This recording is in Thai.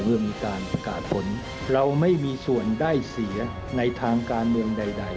เมื่อมีการประกาศผลเราไม่มีส่วนได้เสียในทางการเมืองใด